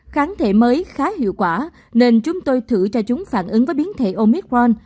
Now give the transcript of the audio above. kháng thể mới khá hiệu quả nên chúng tôi thử cho chúng phản ứng với biến thể omicron